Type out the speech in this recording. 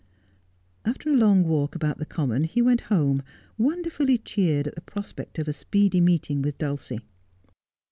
After a long walk about the common he went home, wonder fully cheered at the prospect of a speedy meeting with Dulcie.